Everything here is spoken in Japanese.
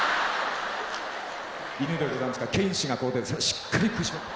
犬でございますから犬歯がこう出てしっかり食いしばって。